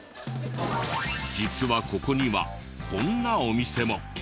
実はここにはこんなお店も。